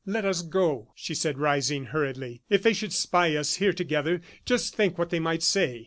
"Let us go," she said rising hurriedly. "If they should spy us here together, just think what they might say!